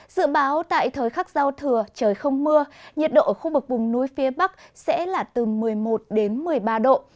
dự báo tại thời khắc giao thừa trời không mưa nhiệt độ ở khu vực vùng núi phía bắc sẽ là từ một mươi một đến một mươi ba độ